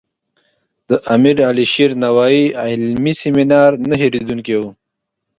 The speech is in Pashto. د امیر علي شیر نوایي علمي سیمینار نه هیریدونکی و.